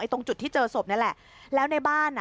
ตรงจุดที่เจอศพนี่แหละแล้วในบ้านอ่ะ